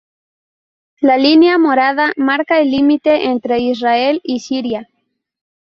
La Línea Morada marca el límite entre Israel y Siria.